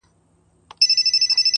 • دروازه به د جنت وي راته خلاصه -